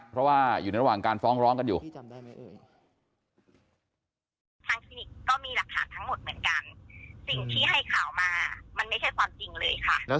เพราะว่าเรานัดคุยกันเรียบร้อยแล้ว